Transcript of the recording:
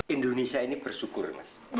indonesia ini bersyukur mas